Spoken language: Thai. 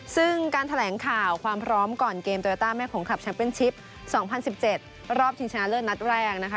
ซึ่งการแถลงข่าวความพร้อมก่อนเกมโยต้าแม่ขงคลับแชมเป็นชิป๒๐๑๗รอบชิงชนะเลิศนัดแรกนะคะ